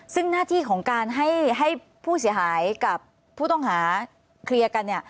ซึ่งหน้าที่ของการให้ผู้เสียหายกับผู้ต้องหาเคลียร์กันเนี่ย